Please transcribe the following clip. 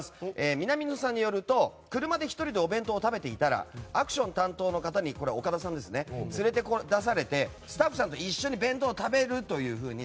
南野さんによると車で１人でお弁当を食べていたらアクション担当の方に連れ出されてスタッフさんと一緒に弁当を食べるように